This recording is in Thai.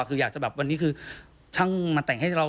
คืออยากจะแบบวันนี้คือช่างมาแต่งให้เรา